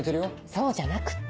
そうじゃなくって。